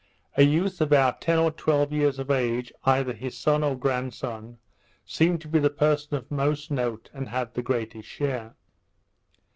A youth about ten or twelve years of age, either his son or grandson, seemed to be the person of most note, and had the greatest share.